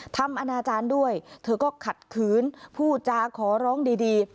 อนาจารย์ด้วยเธอก็ขัดขืนผู้จาขอร้องดี